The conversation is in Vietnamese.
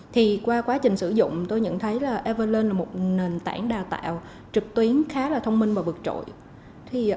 thì qua quá trình sử dụng tôi nhận thấy là evalon là một nền tảng đào tạo trực tuyến khá là thông minh và vượt trội